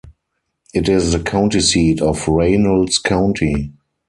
It is the county seat of Reynolds County.